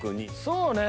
そうね。